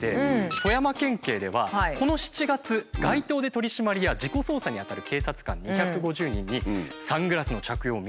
富山県警ではこの７月街頭で取締りや事故捜査に当たる警察官２５０人にサングラスの着用を認めたそうなんですよね。